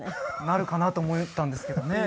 なるかなと思ったんですけどね